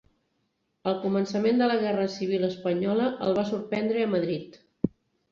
El començament de la guerra civil espanyola el va sorprendre a Madrid.